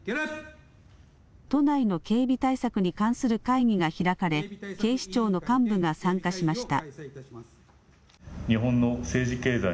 都内の警備対策に関する会議が開かれ、警視庁の幹部が参加しました。